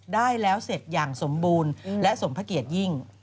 ได้แล้วเสร็จอย่างสมบูรณ์และสมพระเกียรติยิ่ง